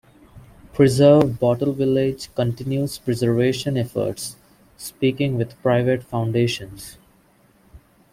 Preserve Bottle village continues preservation efforts, speaking with private foundations.